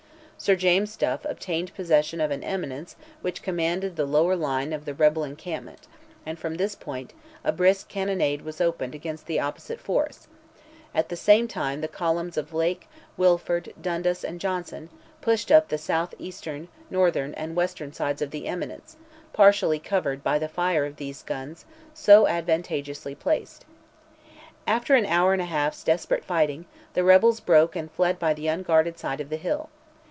Sir James Duff obtained possession of an eminence which commanded the lower line of the rebel encampment, and from this point a brisk cannonade was opened against the opposite force; at the same time the columns of Lake, Wilford, Dundas, and Johnson, pushed up the south eastern, northern and western sides of the eminence, partially covered by the fire of these guns, so advantageously placed. After an hour and a half's desperate fighting, the rebels broke and fled by the unguarded side of the hill.